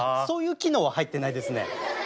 そういう機能は入ってないですね。